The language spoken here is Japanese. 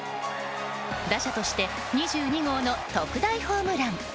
打者として２２号の特大ホームラン。